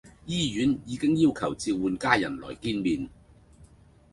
醫院已經要求召喚家人來見面